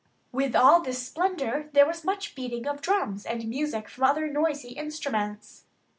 With all this splendour there was much beating of drums and music from other noisy instruments.